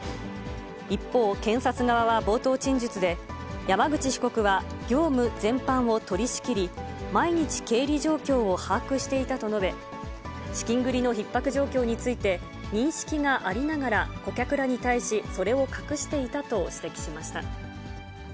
一方、検察側は冒頭陳述で、山口被告は業務全般を取りしきり、毎日経理状況を把握していたと述べ、資金繰りのひっ迫状況について認識がありながら、顧客らに対し、それを隠していたと指摘しました。